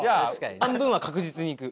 半分は確実にいく。